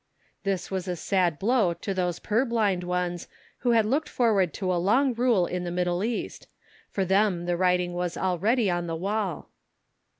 This was a sad blow to those purblind ones who had looked forward to a long rule in the Middle East; for them the writing was already on the wall.